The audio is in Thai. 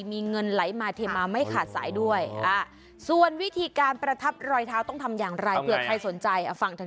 มีเงินไหลมาเทมาไม่ขาดสายด้วยส่วนวิธีการประทับรอยเท้าต้องทำอย่างไรเผื่อใครสนใจฟังเธอ